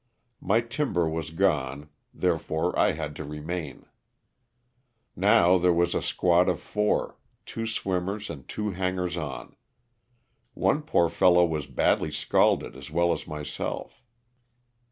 My timber was gone, therefore T had to re main. Now there was a squad of four, two swimmers and two hangers on. One poor fellow was badly scalded as well as myself.